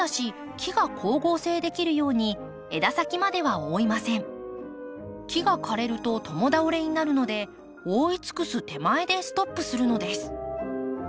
木が枯れると共倒れになるので覆い尽くす手前でストップするのです。